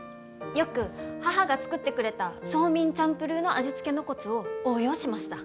よく母が作ってくれたソーミンチャンプルーの味付けのコツを応用しました。